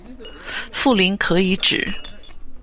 富临可以指